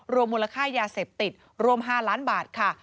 มูลค่ายาเสพติดรวม๕ล้านบาทค่ะ